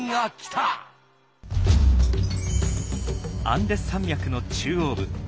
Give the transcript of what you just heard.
アンデス山脈の中央部。